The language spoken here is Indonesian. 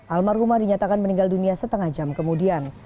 almarhumah dinyatakan meninggal dunia setengah jam kemudian